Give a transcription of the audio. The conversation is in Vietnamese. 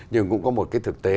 nhưng cũng có một cái thực tế